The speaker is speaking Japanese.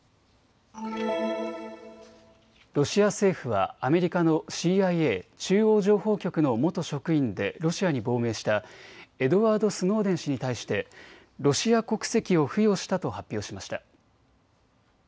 ロシア政府はアメリカのＣＩＡ・中央情報局の元職員でロシアに亡命したエドワード・スノーデン氏に対してロシア国籍を付与したと発表しました。